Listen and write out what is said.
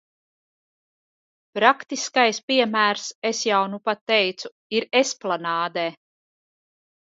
Praktiskais piemērs, es jau nupat teicu, ir Esplanādē.